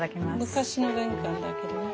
昔の玄関だけどね。